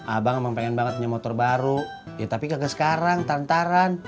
abang emang pengen banget punya motor baru ya tapi kagak sekarang taran taran